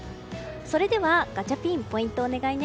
それではガチャピンポイントお願いね。